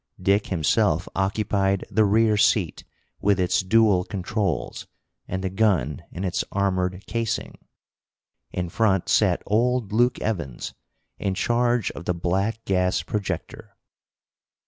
Dick himself occupied the rear seat, with its dual controls, and the gun in its armored casing. In front sat old Luke Evans, in charge of the black gas projector.